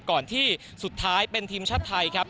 ก่อนที่สุดท้ายเป็นทีมชาติไทยครับ